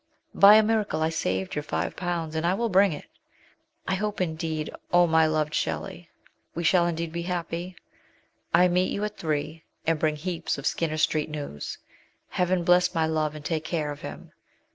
By a miracle I saved your o, and I will bring it. I hope, indeed, oh, my loved Shelley, we shall indeed be happy. I meet you at three, and bring heaps of Skinner St. news. Heaven bless my love and take care of him.